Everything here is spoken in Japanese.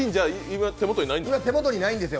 今、手元にないんですよ。